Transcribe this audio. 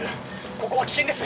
ここは危険です